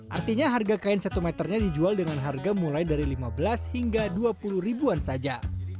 artinya harga kain satu meternya dijual dengan harga mulai dari lima belas hingga dua puluh ribuan saja